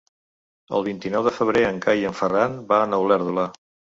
El vint-i-nou de febrer en Cai i en Ferran van a Olèrdola.